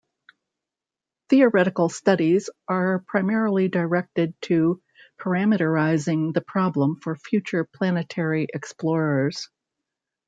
Theoretical studies are primarily directed to parameterizing the problem for future planetary explorers.